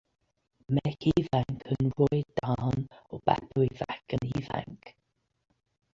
Merch ifanc yn rhoi darn o bapur i fachgen ifanc.